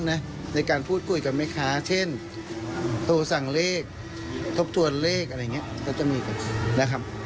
ว่าโว้คือในนั้น